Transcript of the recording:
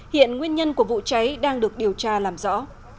hiện nguyên nhân của vụ cháy đang được điều tra làm rõ